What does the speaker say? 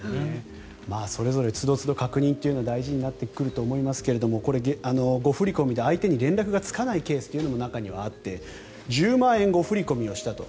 それぞれ、つどつど確認というのは大事になってきますが誤振り込みというのは相手に連絡がつかないケースも中にはあって１０万円誤振り込みをしたと。